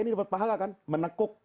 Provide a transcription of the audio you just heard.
ini dapat pahala kan menekuk